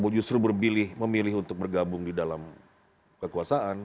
dia berpilih memilih untuk bergabung di dalam kekuasaan